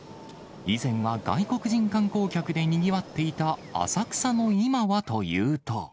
以前は外国人観光客でにぎわっていた浅草の今はというと。